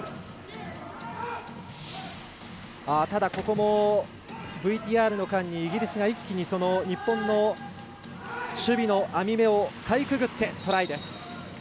ただ、ここもＶＴＲの間にイギリスが一気に日本の守備の網目をかいくぐってトライです。